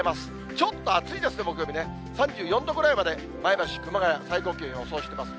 ちょっと暑いですね、木曜日ね、３４度ぐらいまで、前橋、熊谷、最高気温予想しています。